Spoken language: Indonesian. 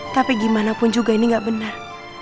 tapi gimana pun juga ini nggak benar